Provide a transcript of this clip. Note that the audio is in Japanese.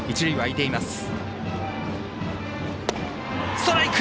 ストライク！